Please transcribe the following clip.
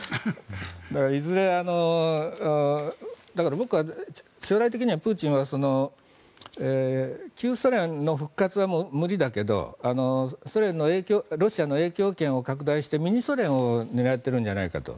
だから、いずれ将来的にはプーチンは旧ソ連の復活は無理だけどロシアの影響圏を拡大してミニソ連を狙っているんじゃないかと。